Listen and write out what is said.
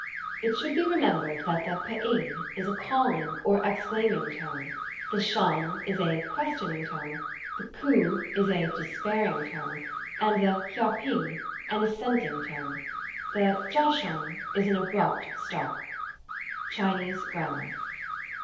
It should be remembered that the p'ing is a ' calling ' or ' exclaim ing' tone; theshangisa 'questioning' tone; the ki\ is a 'despairing' tone; and the hia p'ing, an 'assenting' tone; the ja shung is an 'abrupt' stop." CHINESE GRAMMAE.